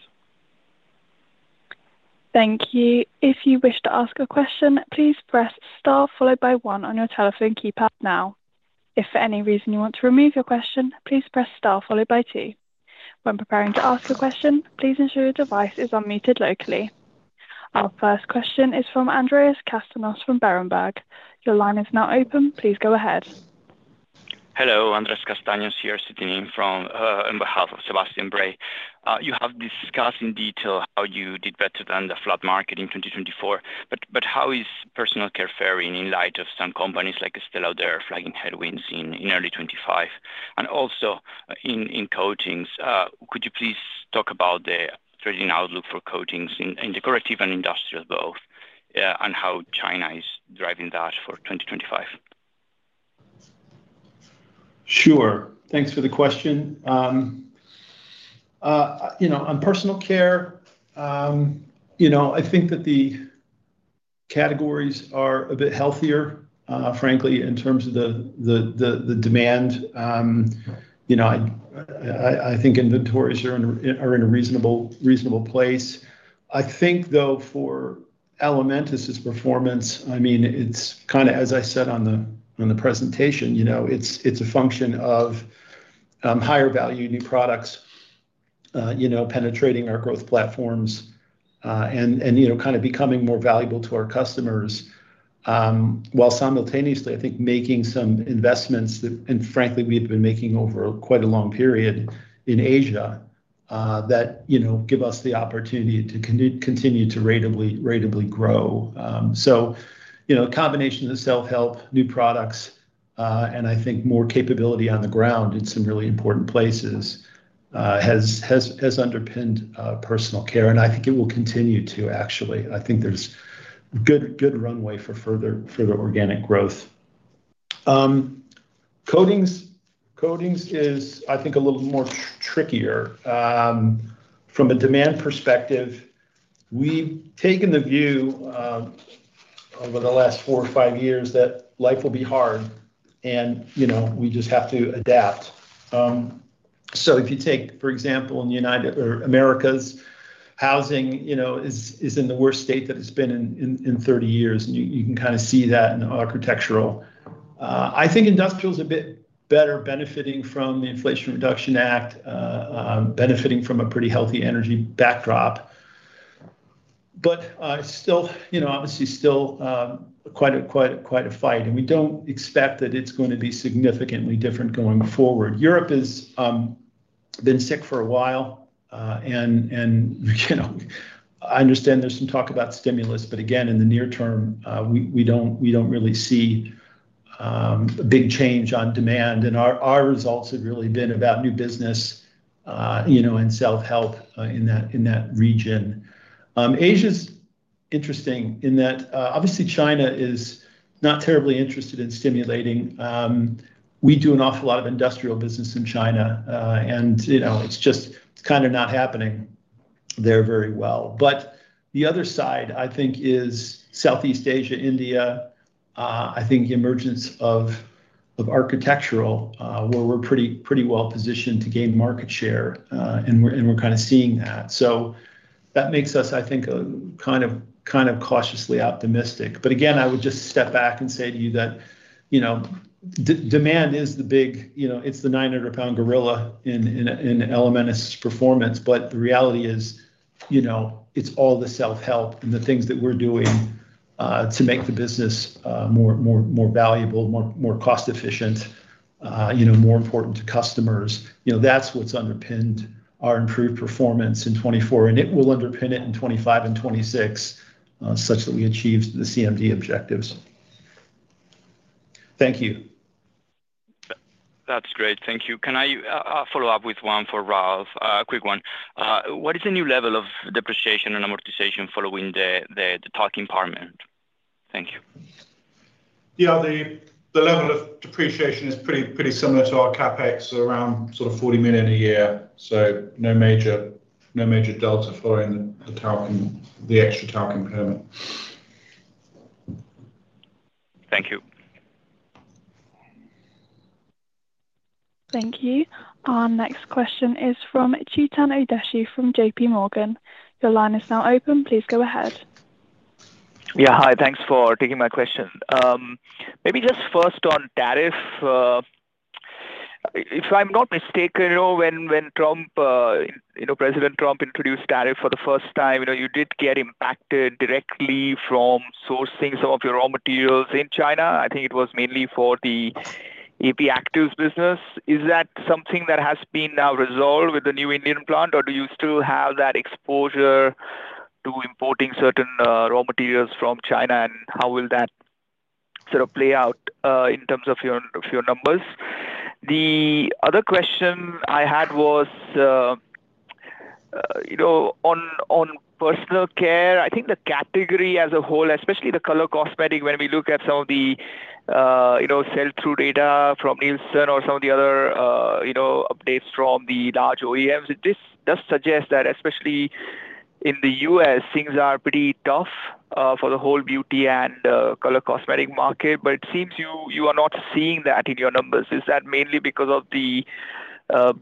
[SPEAKER 3] Thank you. If you wish to ask a question, please press Star followed by One on your telephone keypad now. If for any reason you want to remove your question, please press Star followed by Two. When preparing to ask a question, please ensure your device is unmuted locally. Our first question is from Andreas Kastanos from Berenberg. Your line is now open. Please go ahead.
[SPEAKER 4] Hello, Andreas Kastanos here sitting in from on behalf of Sebastian Bray. You have discussed in detail how you did better than the flood market in 2024, but how is personal care faring in light of some companies like Estée Lauder, their flagging headwinds in early 2025? Also in coatings, could you please talk about the trading outlook for coatings in the corrective and industrial both, and how China is driving that for 2025?
[SPEAKER 2] Sure. Thanks for the question. On personal care, I think that the categories are a bit healthier, frankly, in terms of the demand. I think inventories are in a reasonable place. I think, though, for Elementis's performance, I mean, it's kind of, as I said on the presentation, it's a function of higher value new products penetrating our growth platforms and kind of becoming more valuable to our customers, while simultaneously, I think, making some investments that, and frankly, we've been making over quite a long period in Asia that give us the opportunity to continue to ratably grow. A combination of self-help, new products, and I think more capability on the ground in some really important places has underpinned personal care, and I think it will continue to, actually. I think there's good runway for further organic growth. Coatings is, I think, a little more trickier. From a demand perspective, we've taken the view over the last four or five years that life will be hard, and we just have to adapt. If you take, for example, in the United States or America's housing is in the worst state that it's been in 30 years, and you can kind of see that in the architectural. I think industrial is a bit better, benefiting from the Inflation Reduction Act, benefiting from a pretty healthy energy backdrop, but obviously still quite a fight. We don't expect that it's going to be significantly different going forward. Europe has been sick for a while, and I understand there's some talk about stimulus, but again, in the near term, we don't really see a big change on demand, and our results have really been about new business and self-help in that region. Asia is interesting in that obviously China is not terribly interested in stimulating. We do an awful lot of industrial business in China, and it's just kind of not happening there very well. The other side, I think, is Southeast Asia, India. I think emergence of architectural where we're pretty well positioned to gain market share, and we're kind of seeing that. That makes us, I think, kind of cautiously optimistic. I would just step back and say to you that demand is the big, it's the 900-pound gorilla in Elementis' performance, but the reality is it's all the self-help and the things that we're doing to make the business more valuable, more cost-efficient, more important to customers. That's what's underpinned our improved performance in 2024, and it will underpin it in 2025 and 2026 such that we achieve the CMD objectives.
[SPEAKER 4] Thank you. That's great. Thank you. Can I follow up with one for Ralph? A quick one. What is the new level of depreciation and amortization following the talking permit? Thank you.
[SPEAKER 2] Yeah, the level of depreciation is pretty similar to our CapEx around sort of $40 million a year. No major delta following the extra talking permit. Thank you.
[SPEAKER 3] Thank you. Our next question is from Harsh Udeshi from JP Morgan. Your line is now open. Please go ahead.
[SPEAKER 5] Yeah, hi. Thanks for taking my question. Maybe just first on tariff. If I'm not mistaken, when President Trump introduced tariff for the first time, you did get impacted directly from sourcing some of your raw materials in China. I think it was mainly for the AP Actives business. Is that something that has been now resolved with the new Indian plant, or do you still have that exposure to importing certain raw materials from China, and how will that sort of play out in terms of your numbers? The other question I had was on personal care, I think the category as a whole, especially the color cosmetic, when we look at some of the sell-through data from Nielsen or some of the other updates from the large OEMs, it does suggest that especially in the U.S., things are pretty tough for the whole beauty and color cosmetic market, but it seems you are not seeing that in your numbers. Is that mainly because of the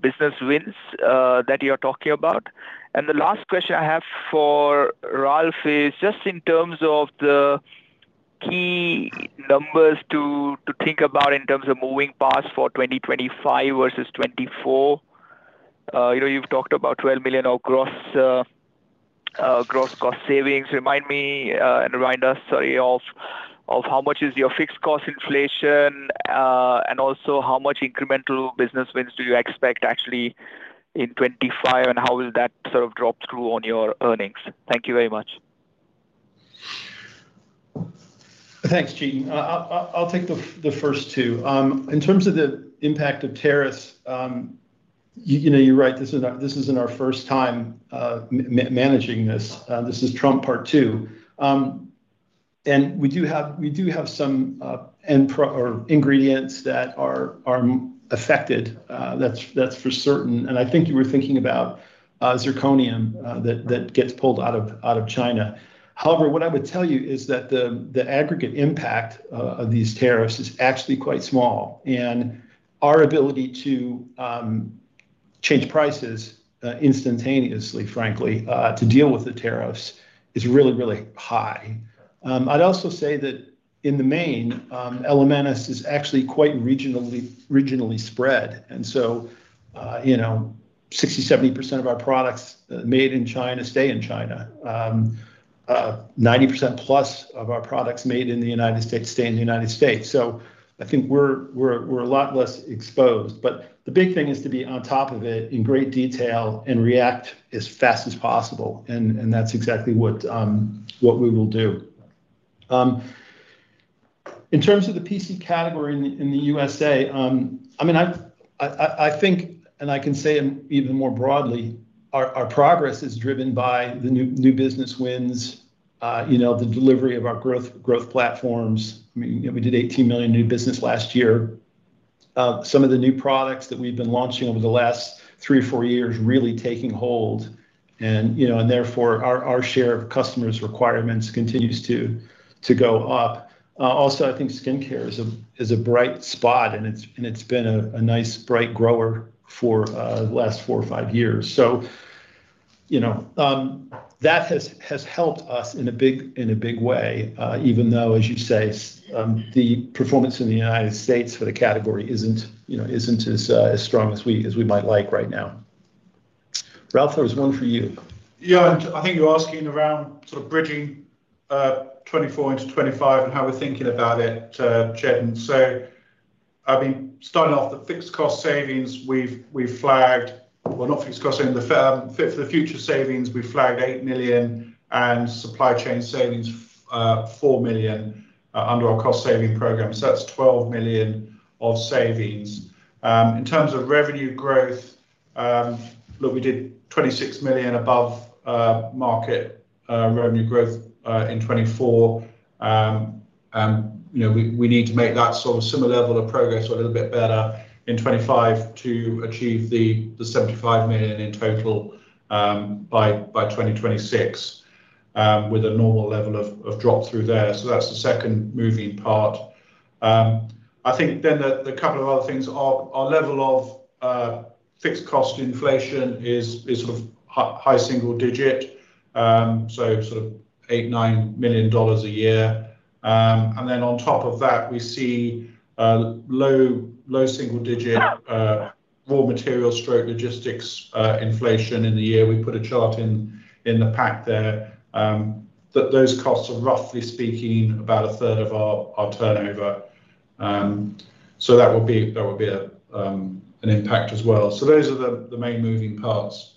[SPEAKER 5] business wins that you're talking about? The last question I have for Ralph is just in terms of the key numbers to think about in terms of moving past for 2025 versus 2024. You have talked about $12 million of gross cost savings. Remind me and remind us, sorry, of how much is your fixed cost inflation, and also how much incremental business wins do you expect actually in 2025, and how will that sort of drop through on your earnings?
[SPEAKER 1] Thank you very much. Thanks, Harsh. I'll take the first two. In terms of the impact of tariffs, you're right, this isn't our first time managing this. This is Trump part two. And we do have some ingredients that are affected. That's for certain. I think you were thinking about zirconium that gets pulled out of China. However, what I would tell you is that the aggregate impact of these tariffs is actually quite small, and our ability to change prices instantaneously, frankly, to deal with the tariffs is really, really high. I'd also say that in the main, Elementis is actually quite regionally spread. 60%-70% of our products made in China stay in China. 90% plus of our products made in the United States stay in the United States. I think we're a lot less exposed. The big thing is to be on top of it in great detail and react as fast as possible, and that's exactly what we will do. In terms of the PC category in the USA, I mean, I think, and I can say even more broadly, our progress is driven by the new business wins, the delivery of our growth platforms. I mean, we did $18 million new business last year. Some of the new products that we've been launching over the last three or four years are really taking hold, and therefore, our share of customers' requirements continues to go up. Also, I think skincare is a bright spot, and it's been a nice bright grower for the last four or five years. That has helped us in a big way, even though, as you say, the performance in the United States for the category isn't as strong as we might like right now. Ralph, there was one for you.
[SPEAKER 2] Yeah, I think you're asking around sort of bridging 2024 into 2025 and how we're thinking about it, Chetan. I mean, starting off the fixed cost savings, we've flagged well, not fixed cost savings. For the future savings, we've flagged $8 million, and supply chain savings, $4 million under our cost saving program. So that's $12 million of savings. In terms of revenue growth, look, we did $26 million above market revenue growth in 2024, and we need to make that sort of similar level of progress or a little bit better in 2025 to achieve the $75 million in total by 2026 with a normal level of drop through there. That's the second moving part. I think then the couple of other things. Our level of fixed cost inflation is sort of high single digit, so sort of $8-$9 million a year. On top of that, we see low single digit raw material stroke logistics inflation in the year. We put a chart in the pack there that those costs are, roughly speaking, about a third of our turnover. That will be an impact as well. Those are the main moving parts.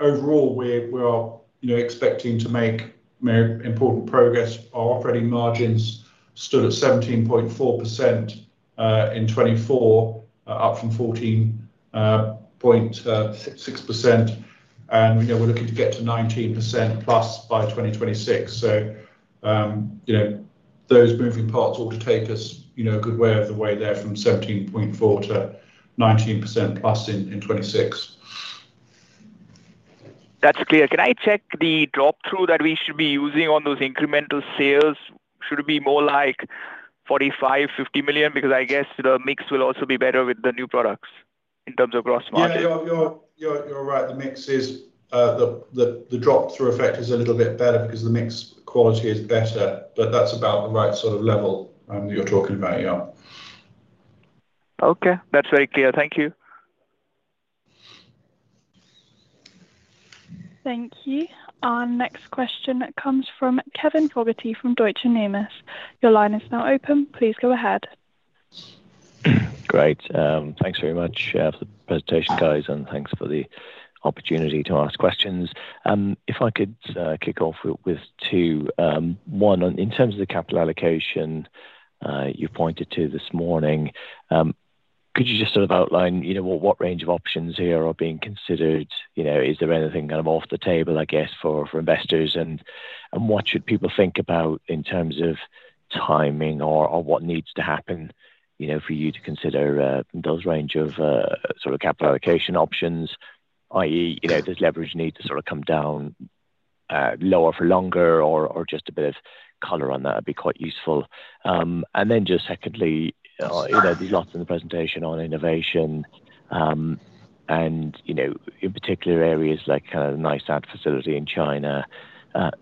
[SPEAKER 2] Overall, we are expecting to make important progress. Our operating margins stood at 17.4% in 2024, up from 14.6%, and we are looking to get to 19%+ by 2026. Those moving parts ought to take us a good way of the way there from 17.4%-19% plus in 2026.
[SPEAKER 5] That's clear. Can I check the drop-through that we should be using on those incremental sales? Should it be more like $45-$50 million? I guess the mix will also be better with the new products in terms of gross margin.
[SPEAKER 2] Yeah, you're right. The mix is the drop-through effect is a little bit better because the mix quality is better, but that's about the right sort of level that you're talking about. Yeah.
[SPEAKER 5] Okay. That's very clear. Thank you.
[SPEAKER 3] Thank you. Our next question comes from Kevin Fogarty from Deutsche Numis. Your line is now open. Please go ahead.
[SPEAKER 6] Great. Thanks very much for the presentation, guys, and thanks for the opportunity to ask questions. If I could kick off with two. One, in terms of the capital allocation you pointed to this morning, could you just sort of outline what range of options here are being considered? Is there anything kind of off the table, I guess, for investors, and what should people think about in terms of timing or what needs to happen for you to consider those range of sort of capital allocation options, i.e., does leverage need to sort of come down lower for longer or just a bit of color on that would be quite useful? Just secondly, there's lots in the presentation on innovation and in particular areas like kind of nice ad facility in China.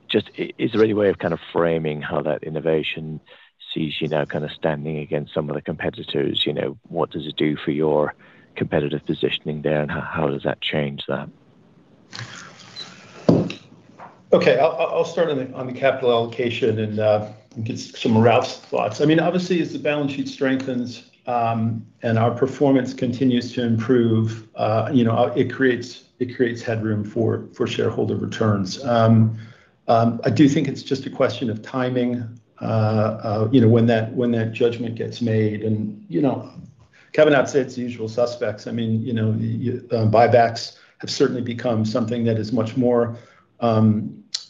[SPEAKER 6] Just is there any way of kind of framing how that innovation sees you now kind of standing against some of the competitors? What does it do for your competitive positioning there, and how does that change that?
[SPEAKER 1] Okay. I'll start on the capital allocation and get some of Ralph's thoughts. I mean, obviously, as the balance sheet strengthens and our performance continues to improve, it creates headroom for shareholder returns. I do think it's just a question of timing when that judgment gets made. Kevin, outside, it's the usual suspects. I mean, buybacks have certainly become something that is much more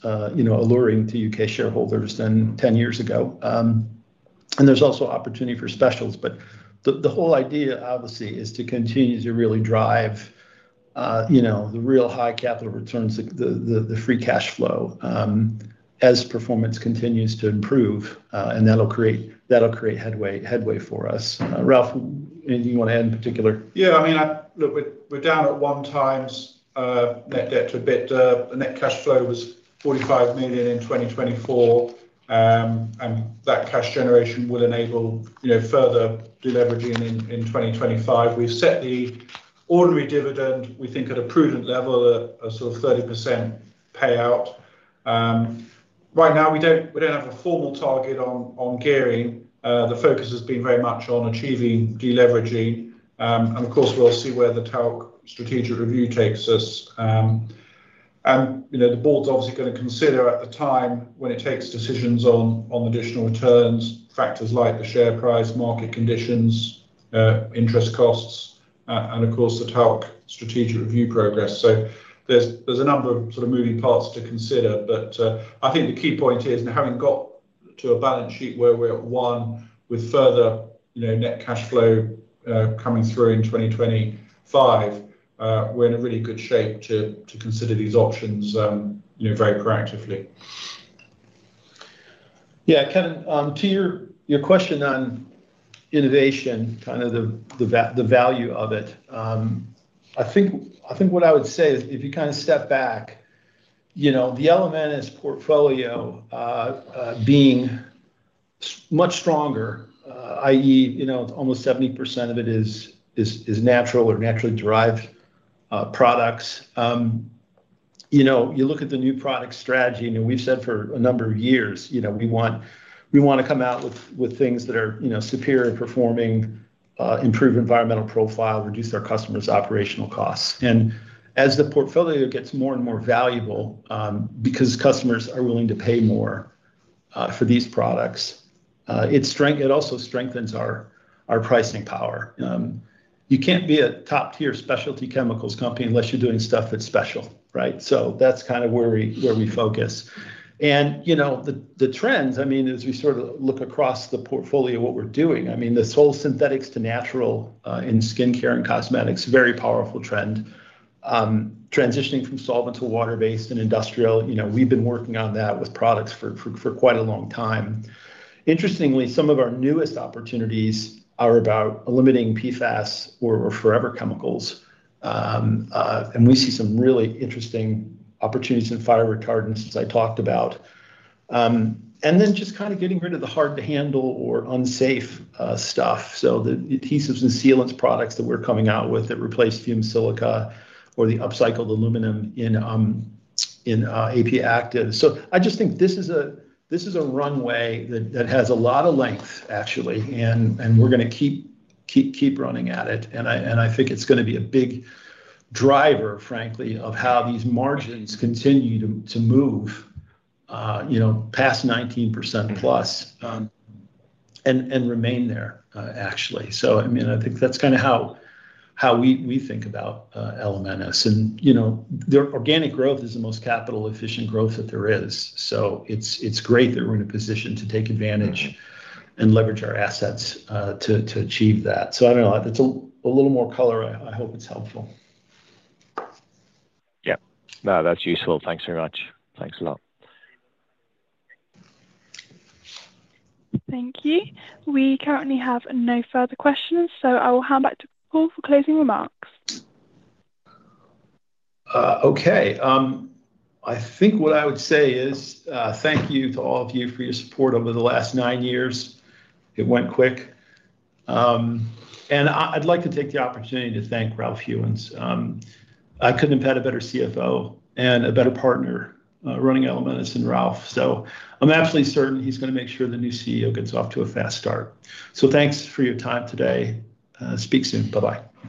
[SPEAKER 1] alluring to U.K. shareholders than 10 years ago. There is also opportunity for specials. The whole idea, obviously, is to continue to really drive the real high capital returns, the free cash flow as performance continues to improve, and that'll create headway for us. Ralph, do you want to add in particular?
[SPEAKER 2] Yeah. I mean, look, we're down at one times net debt to EBITDA. The net cash flow was $45 million in 2024, and that cash generation will enable further deleveraging in 2025. We've set the ordinary dividend, we think, at a prudent level, a sort of 30% payout. Right now, we don't have a formal target on gearing. The focus has been very much on achieving deleveraging. Of course, we'll see where the talc strategic review takes us. The board's obviously going to consider at the time when it takes decisions on additional returns, factors like the share price, market conditions, interest costs, and of course, the talc strategic review progress. There are a number of sort of moving parts to consider, but I think the key point is, having got to a balance sheet where we're at one with further net cash flow coming through in 2025, we're in a really good shape to consider these options very proactively.
[SPEAKER 1] Yeah. Kevin, to your question on innovation, kind of the value of it, I think what I would say is if you kind of step back, the Elementis portfolio being much stronger, i.e., almost 70% of it is natural or naturally derived products. You look at the new product strategy, and we've said for a number of years, we want to come out with things that are superior performing, improve environmental profile, reduce our customers' operational costs. As the portfolio gets more and more valuable because customers are willing to pay more for these products, it also strengthens our pricing power. You can't be a top-tier specialty chemicals company unless you're doing stuff that's special, right? That is kind of where we focus. The trends, I mean, as we sort of look across the portfolio, what we're doing, I mean, this whole synthetics to natural in skincare and cosmetics, very powerful trend, transitioning from solvent to water-based and industrial. We've been working on that with products for quite a long time. Interestingly, some of our newest opportunities are about eliminating PFAS or forever chemicals, and we see some really interesting opportunities in fire retardants as I talked about. Just kind of getting rid of the hard-to-handle or unsafe stuff. The adhesives and sealants products that we're coming out with that replace fumed silica or the upcycled aluminum in AP Actives. I just think this is a runway that has a lot of length, actually, and we're going to keep running at it. I think it's going to be a big driver, frankly, of how these margins continue to move past 19% plus and remain there, actually. I mean, I think that's kind of how we think about Elementis. Their organic growth is the most capital-efficient growth that there is. It's great that we're in a position to take advantage and leverage our assets to achieve that. I don't know. That's a little more color. I hope it's helpful.
[SPEAKER 6] Yeah. No, that's useful. Thanks very much. Thanks a lot.
[SPEAKER 3] Thank you. We currently have no further questions, so I will hand back to Paul for closing remarks.
[SPEAKER 1] Okay. I think what I would say is thank you to all of you for your support over the last nine years. It went quick. I'd like to take the opportunity to thank Ralph Hewins. I could not have had a better CFO and a better partner running Elementis than Ralph. I am absolutely certain he is going to make sure the new CEO gets off to a fast start. Thanks for your time today. Speak soon. Bye-bye.